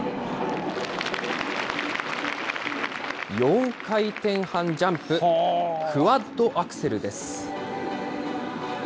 ４回転半ジャンプ、クワッドアクセルです。